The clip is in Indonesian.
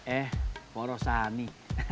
eh pak rosani